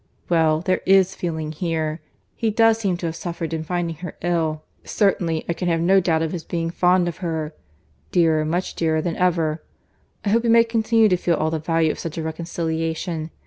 "Well, there is feeling here.—He does seem to have suffered in finding her ill.—Certainly, I can have no doubt of his being fond of her. 'Dearer, much dearer than ever.' I hope he may long continue to feel all the value of such a reconciliation.